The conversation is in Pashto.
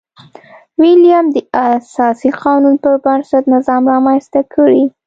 ویلیم د اساسي قانون پربنسټ نظام رامنځته کړي.